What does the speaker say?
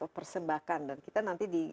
persembahkan dan kita nanti di